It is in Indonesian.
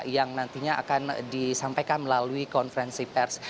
yang nantinya akan disampaikan melalui konferensi pers